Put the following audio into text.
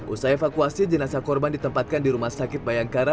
usai evakuasi jenazah korban ditempatkan di rumah sakit bayangkara